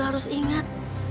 lo harus ingat